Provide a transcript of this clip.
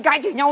lâu lần nay